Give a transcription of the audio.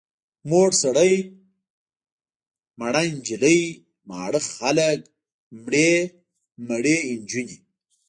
مور سړی، مړه نجلۍ، ماړه خلک، مړې نجونې.